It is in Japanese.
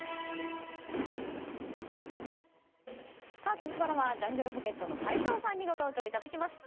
ここからはジャングルポケットの斉藤さんにご登場いただきました。